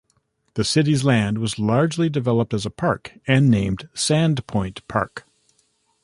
The city's land was largely developed as a park and named Sand Point Park.